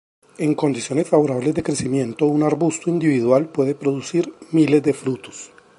En condiciones favorables de crecimiento, un arbusto individual puede producir miles de frutos.